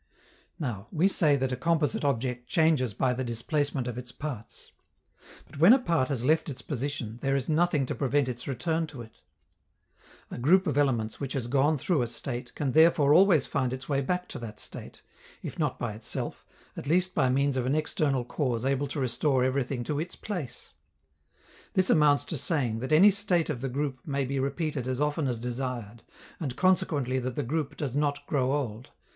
Now, we say that a composite object changes by the displacement of its parts. But when a part has left its position, there is nothing to prevent its return to it. A group of elements which has gone through a state can therefore always find its way back to that state, if not by itself, at least by means of an external cause able to restore everything to its place. This amounts to saying that any state of the group may be repeated as often as desired, and consequently that the group does not grow old.